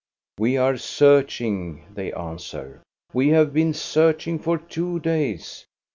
" "We are searching," they answer. "We have been searching for two days.